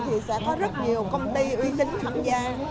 thì sẽ có rất nhiều công ty uy tín tham gia